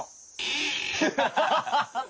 ハハハハハ！